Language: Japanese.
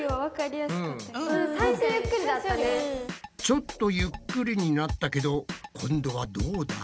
ちょっとゆっくりになったけど今度はどうだ？